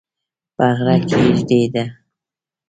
په غره کې یږي دي